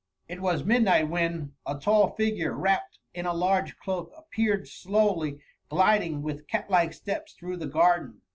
It was midnight when, a tall figure, wrapped in a large doak, appeared slowly gliding with catlike steps through the garden.